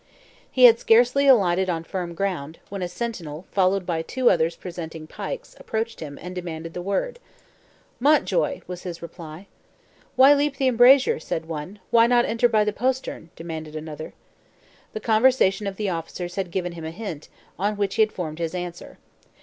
He had scarcely alighted on firm ground, when a sentinel, followed by two others presented pikes, approached him, and demanded the word. "Montjoy!" was his reply. "Why leap the embrasure?" said one. "Why not enter by the postern?" demanded another. The conversation of the officers had given him a hint, on which he had formed his answer.